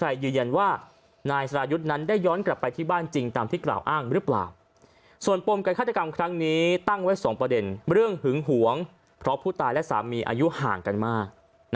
เรื่องหึงหวงเพราะผู้ตายและสามีอายุห่างกันมาก